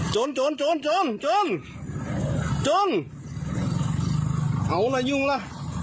โจรโจรโจรโจรโจรโจรเอาล่ะยุ่งล่ะ